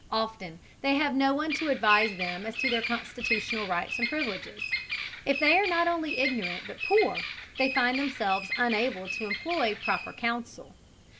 Often they have no one to advise them as to their constitutional rights and privileges. If they are not only ignorant but poor, they find themselves unable to employ proper counsel.